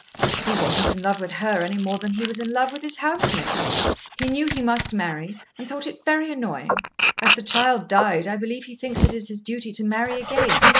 "He wasn't in love with her any more than he was in love with his housemaid. He knew he must marry, and thought it very annoying. As the child died, I believe he thinks it his duty to marry again.